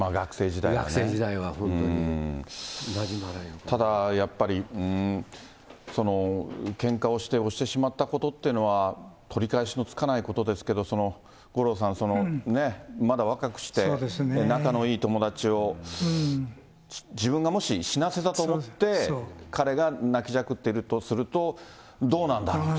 学生時代は、ただやっぱり、その、けんかをして押してしまったことっていうのは、取り返しのつかないことですけれども、五郎さん、その、ね、まだ若くして、仲のいい友達を自分がもし、死なせたと思って、彼が泣きじゃくっているとすると、どうなんだろうなって。